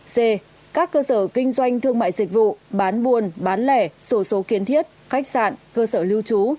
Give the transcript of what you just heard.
c các cơ sở kinh doanh thương mại dịch vụ bán buôn bán lẻ sổ số kiến thiết khách sạn cơ sở lưu trú